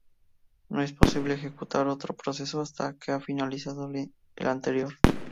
No es posible ejecutar otro proceso hasta que ha finalizado el anterior.